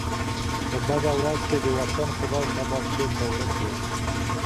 په بده ورځ کي د وطن ، خداى خبر ، چرته ورک وې